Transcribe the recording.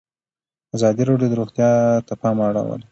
ازادي راډیو د روغتیا ته پام اړولی.